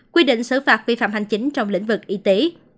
quy định xử phạt vi phạm hành chính trong lĩnh vực y tế